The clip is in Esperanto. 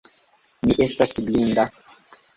Mi estas blinda.